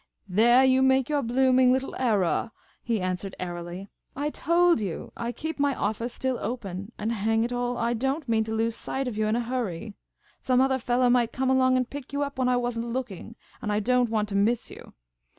" There you make your blooming little erraw," he answered airily. " I told yah, I keep my offah still open ; and, hang it all, I don't mean to lose sight of yah in a hurry. Some other fellah might come along and pick you up when I was n't looking ; and I don't want to miss yah.